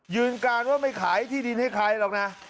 ยืนยันว่าไม่ขายที่ดินให้ใครหรอกนะ